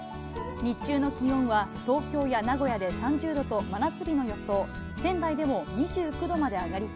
日中の気温は東京や名古屋で３０度と、やさしいマーン！！